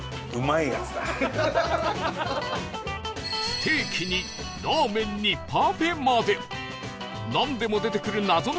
ステーキにラーメンにパフェまで